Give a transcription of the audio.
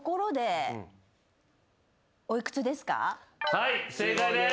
はい正解です。